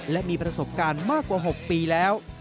และมีประสบการณ์มากกว่า๖ปีแล้ว